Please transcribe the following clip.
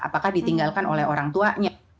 apakah ditinggalkan oleh orang tuanya